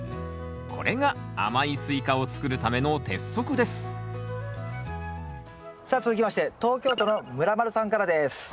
これが甘いスイカを作るための鉄則ですさあ続きまして東京都のムラまるさんからです。